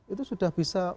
itu sudah bisa